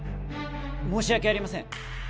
申し訳ありません！